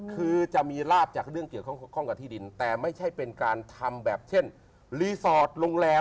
คือจะมีลาบจากเรื่องเกี่ยวข้องกับที่ดินแต่ไม่ใช่เป็นการทำแบบเช่นรีสอร์ทโรงแรม